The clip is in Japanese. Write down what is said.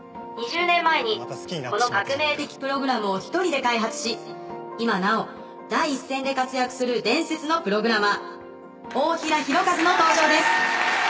２０年前にこの革命的プログラムを１人で開発し今なお第一線で活躍する伝説のプログラマー太平洋和の登場です」